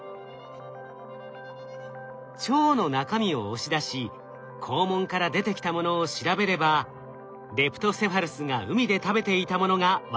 腸の中身を押し出し肛門から出てきたものを調べればレプトセファルスが海で食べていたものが分かるはずです。